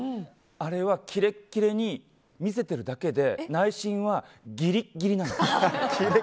あれはキレッキレに見せてるだけで内心は、ギリッギリなの。